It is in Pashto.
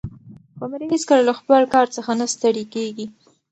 قمري هیڅکله له خپل کار څخه نه ستړې کېږي.